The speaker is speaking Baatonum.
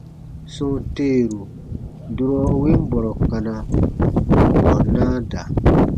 Sɔ̃ɔ teeru, durɔ u win bɔrɔ kana, bù kurɔ naa da.